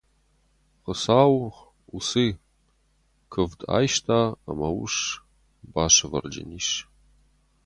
Хуыцау усы куывд айста, ӕмӕ ус басывӕрджын ис.